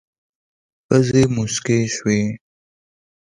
ښځې موسکې شوې.